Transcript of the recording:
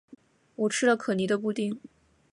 我吃了可妮的布丁